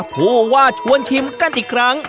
ผู้ว่าชวนชิมกันอีกครั้ง